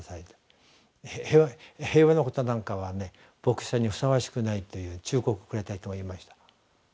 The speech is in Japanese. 平和のことなんかは牧師さんにふさわしくない」という忠告をくれた人がいました。